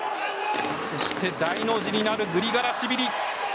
大の字になるグリガラシビリ。